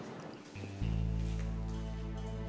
mas aku mau ke kamar dulu